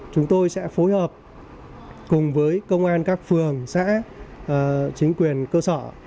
chúng tôi sẽ phối hợp cùng với công an các phường xã chính quyền cơ sở